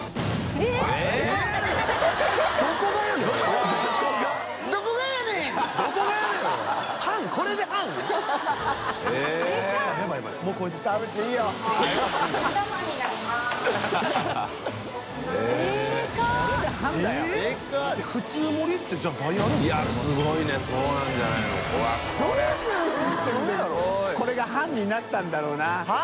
好謄爐これが半になったんだろうな。